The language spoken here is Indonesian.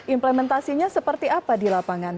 implementasinya seperti apa di lapangan